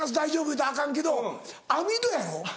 言うたらアカンけど網戸やろ？